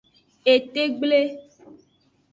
Etegble.